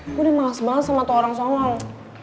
gue udah malas banget sama tuh orang somong